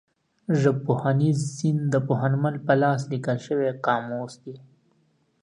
ژبپوهنیز سیند د پوهنمل په لاس لیکل شوی قاموس دی.